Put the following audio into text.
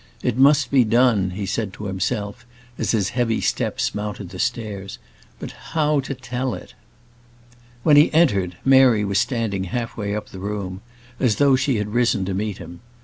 "It must be done," he said to himself, as his heavy steps mounted the stairs. "But how to tell it?" When he entered, Mary was standing half way up the room, as though she had risen to meet him.